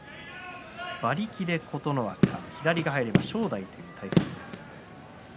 馬力で琴ノ若左が入れば正代という相撲です。